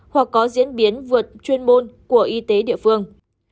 hoặc có diễn biến vượt chuyên môn của y tế địa phương